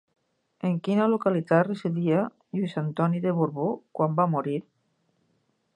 En quina localitat residia Lluís Antoni de Borbó quan va morir?